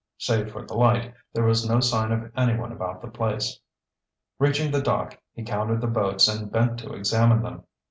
Save for the light, there was no sign of anyone about the place. Reaching the dock, he counted the boats and bent to examine them.